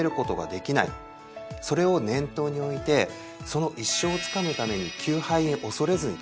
それを念頭に置いてその一勝をつかむために九敗を恐れずにですね